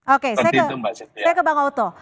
oke saya ke bang oto